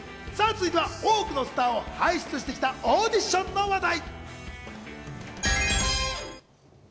続いては多くのスターを輩出してきたオーディションの話題。